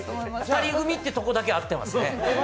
２人組というところだけは合ってますね。